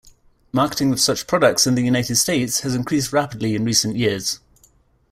Marketing of such products in the United States has increased rapidly in recent years.